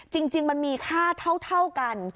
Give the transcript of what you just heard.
จริงมันมีค่าเท่ากัน